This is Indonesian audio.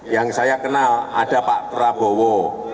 yang saya kenal ada pak prabowo